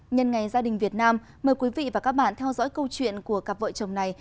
nhân ngày gia đình việt nam mời quý vị và các bạn theo dõi câu chuyện của cặp vợ chồng này